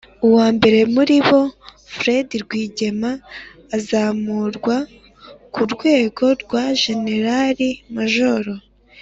uwa mbere muri bo, fred rwigema, azamurwa ku rwego rwa jenerali majoro,